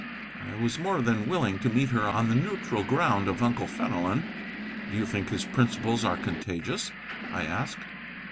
I was more than willing to meet her on the neutral ground of Uncle Fenelon. "Do you think his principles contagious?" I asked.